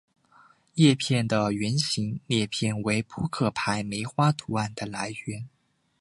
叶片的圆形裂片为扑克牌梅花图案的来源。